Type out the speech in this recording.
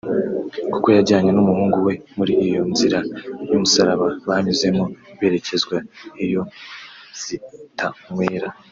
kuko yajyanye n’umuhungu we muri iyo nzira y’umusaraba banyuzemo berekezwa iyo zitanywera